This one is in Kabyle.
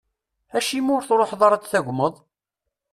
Acim i ur truḥeḍ ara ad d-tagmeḍ?